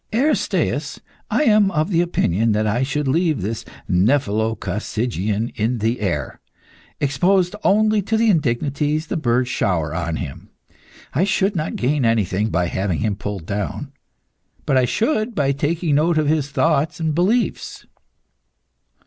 Aristaeus, I am of opinion that I should leave this nephelo coccygian(*) in the air, exposed only to the indignities the birds shower on him. I should not gain anything by having him pulled down, but I should by taking note of his thoughts and beliefs."